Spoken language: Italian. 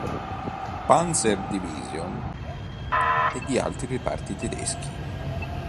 Panzer-Division e di altri reparti tedeschi.